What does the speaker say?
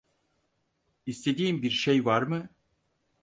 İstediğin bir şey var mı?